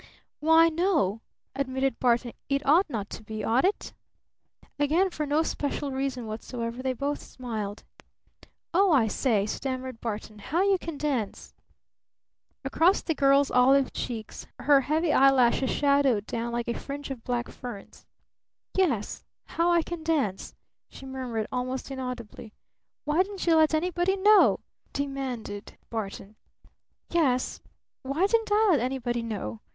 "Why, no," admitted Barton; "it ought not to be, ought it?" Again for no special reason whatsoever they both smiled. "Oh, I say," stammered Barton. "How you can dance!" Across the girl's olive cheeks her heavy eyelashes shadowed down like a fringe of black ferns. "Yes how I can dance," she murmured almost inaudibly. "Why didn't you let anybody know?" demanded Barton. "Yes why didn't I let anybody know?"